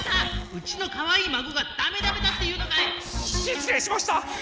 うちのかわいいまごがダメダメだっていうのかい⁉しつれいしました！